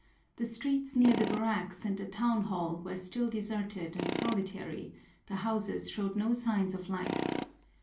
The streets near the barracks and the town hail were still deserted and solitary, the houses showed no signs of life.